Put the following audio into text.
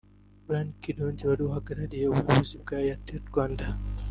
Brian Kirungi wari uhagarariye ubuyobozi bwa Airtel Rwanda